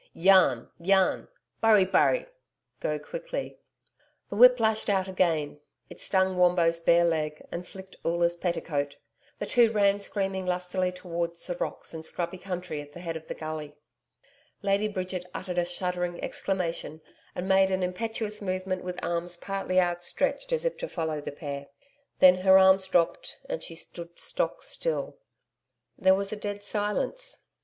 YAN YAN BURRI BURRI ' (go quickly). The whip lashed out again. It stung Wombo's bare leg, and flicked Oola's petticoat. The two ran screaming lustily towards the rocks and scrubby country at the head of the gully. Lady Bridget uttered a shuddering exclamation and made an impetuous movement with arms partly outstretched as if to follow the pair. Then her arms dropped and she stood stock still. There was a dead silence.